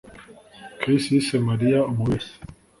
Chris yise Mariya umubeshyi